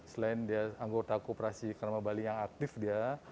selain dia anggota koperasi krama bali yang aktif dia